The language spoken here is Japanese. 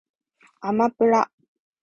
あまぷら